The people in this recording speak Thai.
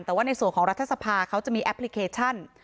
แต่ว่าในส่วนของรัฐสภาเขาจะมีแอปพลิเคชัน